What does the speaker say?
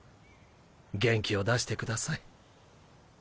元気を出してください。